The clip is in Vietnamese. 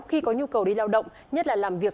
khi có nhu cầu đi lao động nhất là làm việc